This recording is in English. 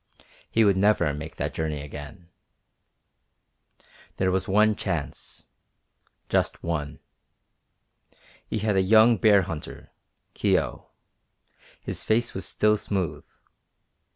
He would never make the journey again. There was one chance just one. He had a young bear hunter, Kio, his face was still smooth.